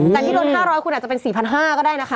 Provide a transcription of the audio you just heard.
แต่ที่ลด๕๐๐คุณอาจจะเป็น๔๕๐๐ก็ได้นะคะ